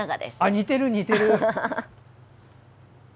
似てる、似てる！